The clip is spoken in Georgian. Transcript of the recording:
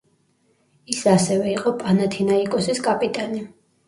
ის ასევე იყო „პანათინაიკოსის“ კაპიტანი.